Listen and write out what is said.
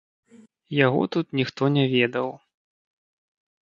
Яго тут ніхто не ведаў.